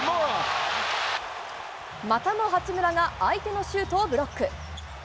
またも八村が相手のシュートをブロック。